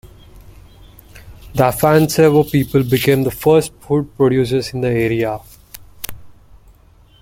The Afanasevo people became the first food-producers in the area.